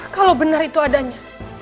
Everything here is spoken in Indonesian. kalau benar itu adanya